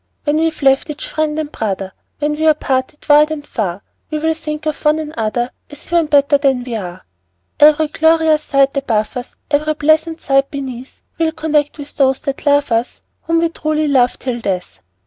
When we've left each friend and brother, When we're parted wide and far, We will think of one another, As even better than we are. Every glorious sight above us, Every pleasant sight beneath, We'll connect with those that love us, Whom we truly love till death!